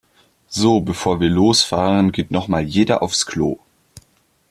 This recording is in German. So, bevor wir losfahren, geht noch mal jeder aufs Klo.